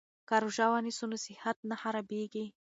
که روژه ونیسو نو صحت نه خرابیږي.